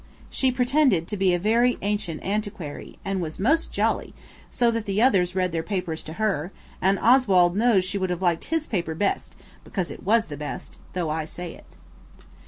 She pretended to be a very ancient antiquary, and was most jolly, so that the others read their papers to her, and Oswald knows she would have liked his paper best, because it was the best, though I say it.